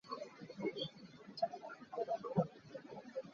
Kan lei in kan holh.